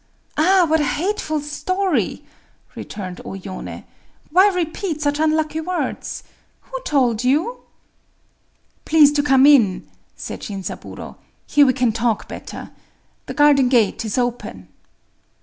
"Ah, what a hateful story!" returned O Yoné. "Why repeat such unlucky words?… Who told you?" "Please to come in," said Shinzaburō;—"here we can talk better. The garden gate is open."